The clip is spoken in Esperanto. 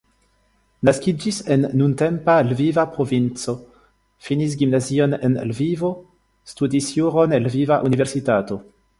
Naskiĝis en nuntempa Lviva provinco, finis gimnazion en Lvivo, studis juron en Lviva Universitato.